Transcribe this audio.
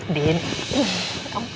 aduh anak mama cantik